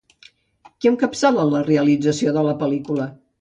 Qui encapçala la realització de la pel·lícula?